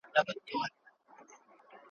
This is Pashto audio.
خو خبري آژانسونه ګ `